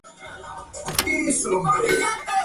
La circulación se vio mermada.